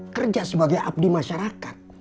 kerja sebagai abdi masyarakat